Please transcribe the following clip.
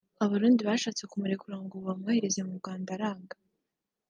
abarundi bashatse kumurekura ngo bamwohereze mu Rwanda aranga